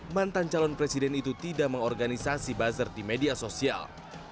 mantan calon presiden itu tidak mengorganisasi buzzer di media sosial